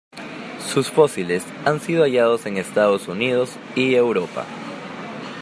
Sus fósiles han sido hallados en Estados Unidos y Europa.